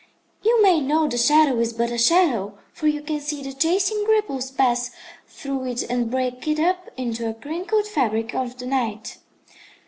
You may know the shadow is but a shadow, for you can see the chasing ripples pass through it and break it up into a crinkled fabric of the night.